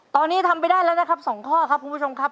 ตอนนี้ทำไปได้แล้วนะครับ๒ข้อครับคุณผู้ชมครับ